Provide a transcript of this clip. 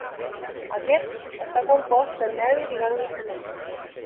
Aquest està compost per nervis i ganglis nerviosos.